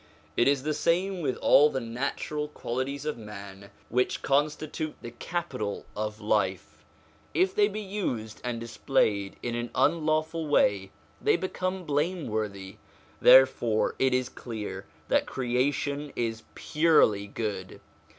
It is the same with all the natural qualities of man, which constitute the capital of life ; if they be used and dis played in an unlawful way, they become blameworthy. Therefore it is clear that creation is purely good.